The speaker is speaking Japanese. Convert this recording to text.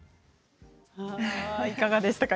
いかがでしたか？